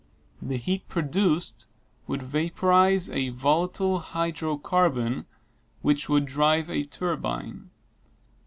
The heat produced would vaporize a volatile hydrocarbon which would drive a turbine.